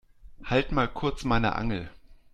Halt mal kurz meine Angel.